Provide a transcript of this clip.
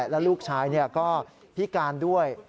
แล้วลูกชายก็พิการด้วย